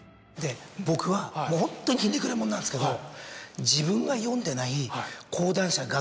僕はもうホントにひねくれ者なんですけど。